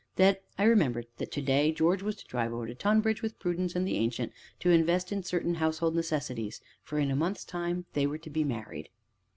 Then I remembered that to day George was to drive over to Tonbridge, with Prudence and the Ancient, to invest in certain household necessities, for in a month's time they were to be married.